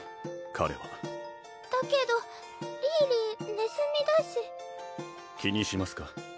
彼はだけどリーリねずみだし気にしますか？